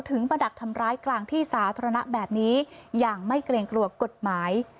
มาดักทำร้ายกลางที่สาธารณะแบบนี้อย่างไม่เกรงกลัวกฎหมาย